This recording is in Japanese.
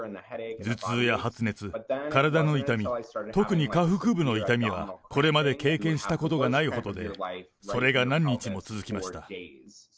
頭痛や発熱、体の痛み、特に下腹部の痛みはこれまで経験したことがないほどで、それが何日も続きました。